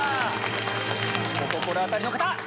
お心当たりの方！